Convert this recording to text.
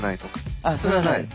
あっそれはないです。